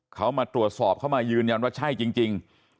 เขามาตรวจสอบเขามายืนยันว่าใช่จริง